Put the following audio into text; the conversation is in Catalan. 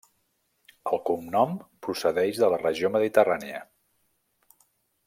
El cognom procedeix de la regió mediterrània.